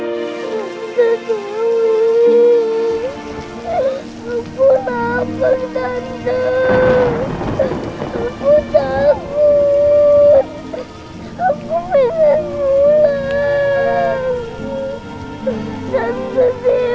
tante dewi aku lapar tante